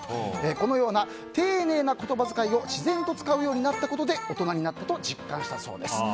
このような丁寧な言葉遣いを自然とつかうようになったことで大人になったと実感したそうです。